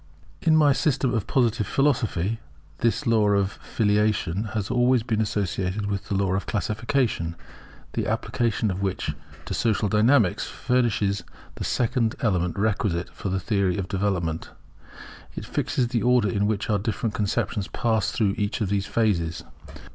In my System of Positive Philosophy, this law of Filiation has always been associated with the law of Classification, the application of which to Social Dynamics furnishes the second element requisite for the theory of development. It fixes the order in which our different conceptions pass through each of these phases.